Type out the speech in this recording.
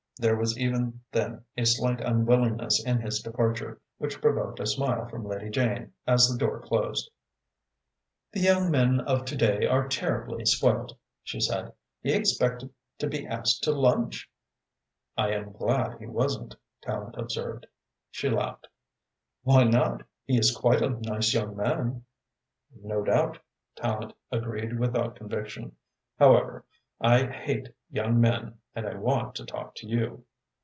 There was even then a slight unwillingness in his departure, which provoked a smile from Lady Jane as the door closed. "The young men of to day are terribly spoilt," she said. "He expected to be asked to lunch." "I am glad he wasn't," Tallente observed. She laughed. "Why not? He is quite a nice young man." "No doubt," Tallente agreed, without conviction. "However, I hate young men and I want to talk to you."